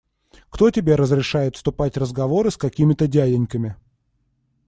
Кто тебе разрешает вступать в разговоры с какими-то дяденьками?